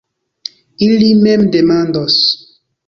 Ili mem demandos.